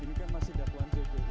ini kan masih dakwaan jpu bu